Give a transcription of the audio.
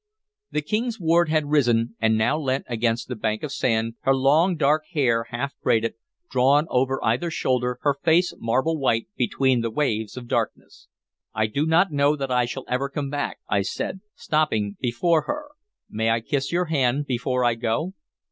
The King's ward had risen, and now leant against the bank of sand, her long dark hair, half braided, drawn over either shoulder, her face marble white between the waves of darkness. "I do not know that I shall ever come back," I said, stopping before her. "May I kiss your hand before I go?"